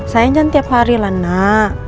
sayang kan tiap hari lah nak